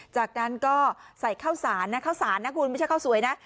จากนั้นก็ใส่ข้าวสารนะข้าวสารนะคุณไม่ใช่ข้าวสวยนะ